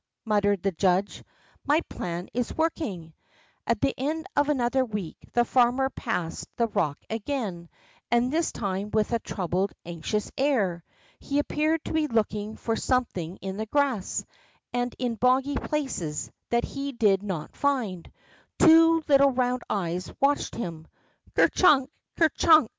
'' muttered the judge, my plan is working 1 '' At the end of another week, the farmer passed the rock again, and this time with a troubled, anxious air. He appeared to be looking for some thing in the grass, and in boggy places, that he did not find. Two round little eyes watched him. Ker chunk ! Ker chunk